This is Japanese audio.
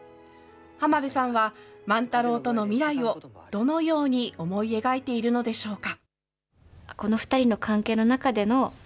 浜辺さんは万太郎との未来をどのように思い描いているのでしょうか。